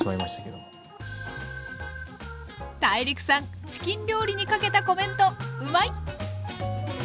ＴＡＩＲＩＫさんチキン料理にかけたコメントうまい！